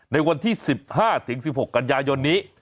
ในวันที่๑๕๑๖กันยายนนี้